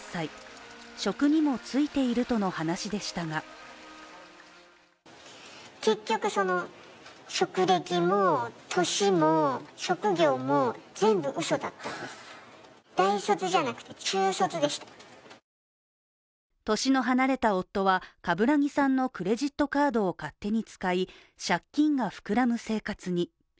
職にもついているとの話でしたが絵年の離れた夫は冠木さんのクレジットカードを手に使い、借金が膨らむ生活に。